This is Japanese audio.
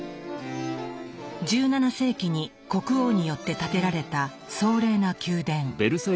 １７世紀に国王によって建てられた壮麗な宮殿。